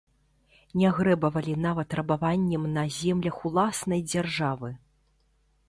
Не грэбавалі нават рабаваннем на землях уласнай дзяржавы.